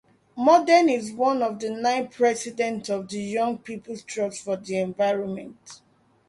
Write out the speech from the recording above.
Morden is one of nine presidents of The Young People's Trust for the Environment.